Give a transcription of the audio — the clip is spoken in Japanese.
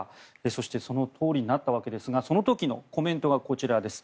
そしてそのとおりになったわけですがその時のコメントがこちらです。